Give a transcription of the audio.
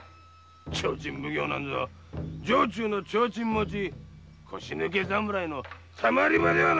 提灯奉行なんぞ城中の提灯持ち腰抜け侍のたまり場ではないか！